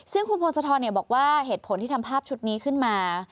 ซึ่งคุณพงศธรบอกว่าเหตุผลที่ทำภาพชุดนี้ขึ้นมา